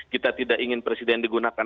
kita tidak ingin presiden digunakan